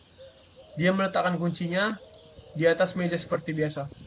Dia meletakkan kuncinya di atas meja seperti biasa.